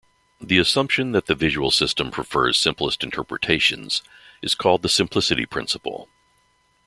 The assumption that the visual system prefers simplest interpretations is called the simplicity principle.